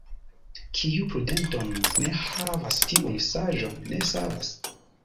Kiu prudenton ne havas, tiun saĝo ne savas.